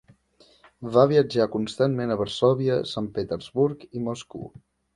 Va viatjar constantment a Varsòvia, Sant Petersburg i Moscou.